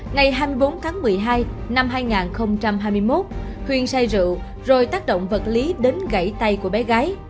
ngày hai mươi bốn tháng một mươi hai năm hai nghìn hai mươi một huyền say rượu rồi tác động vật lý đến gãy tay của bé gái